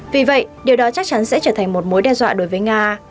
vì vậy điều đó chắc chắn sẽ trở thành một mối đe dọa đối với nga